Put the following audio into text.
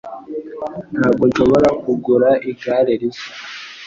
Ntabwo nshobora kugura igare rishya.